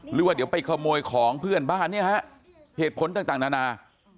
หรือว่าเดี๋ยวไปขโมยของเพื่อนบ้านเนี่ยฮะเหตุผลต่างนานา